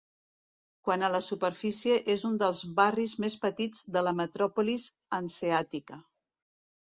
Quant a la superfície és un dels barris més petits de la metròpolis hanseàtica.